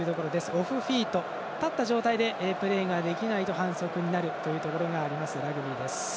オフフィート、立った状態でプレーができないと反則になるところがあるラグビー。